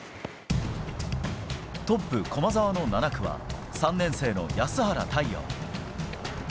トップ、駒澤の７区は、３年生の安原太陽。